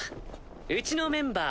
うちのメンバー